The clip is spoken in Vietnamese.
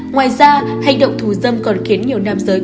ngoài ra hành động thù dâm còn khiến nhiều nam giới